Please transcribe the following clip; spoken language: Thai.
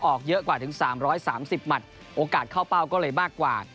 ออกเยอะกว่าถึง๓๓๐หมัดโอกาสเข้าเป้าก็เลยมากกว่า